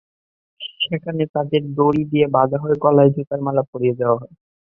সেখানে তাদের দড়ি দিয়ে বাঁধা হয়, গলায় জুতার মালা পরিয়ে দেওয়া হয়।